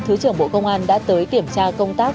thứ trưởng bộ công an đã tới kiểm tra công tác